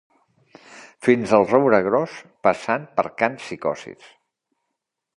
Fins el roure gros passant per can Psicosis